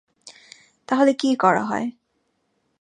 তাহলে কী করা হয়?